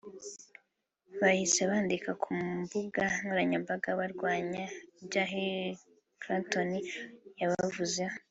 bahise bandika ku mbuga nkoranyambaga barwanya ibyo Hillary Clinton yabavuzeho